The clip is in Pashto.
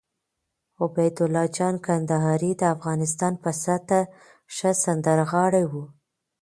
عبیدالله جان کندهاری د افغانستان په سطحه ښه سندرغاړی وو